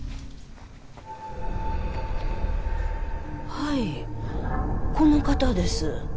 はいこの方です。